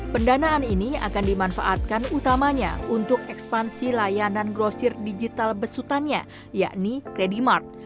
pendanaan ini akan dimanfaatkan utamanya untuk ekspansi layanan grocery digital besutannya yakni credit mart